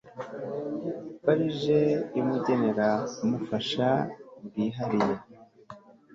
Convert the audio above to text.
farg yamugenera ubufasha bwihariye